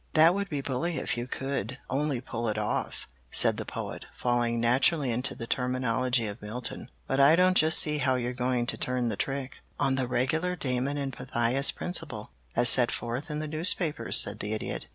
"That would be bully if you could only pull it off," said the Poet, falling naturally into the terminology of Milton. "But I don't just see how you're going to turn the trick." "On the regular 'Damon and Pythias' principle, as set forth in the newspapers," said the Idiot.